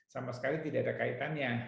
sama sekali tidak ada kaitannya